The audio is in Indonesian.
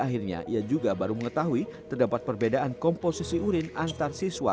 akhirnya ia juga baru mengetahui terdapat perbedaan komposisi urin antara siswa dan